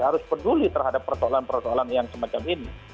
harus peduli terhadap pertolongan pertolongan yang semacam ini